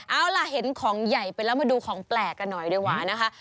เอาล่ะเห็นของใหญ่ไปแล้วมาดูของแปลกกันหน่อยดีกว่านะคะ